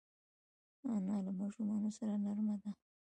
انا له ماشومانو سره نرمه ده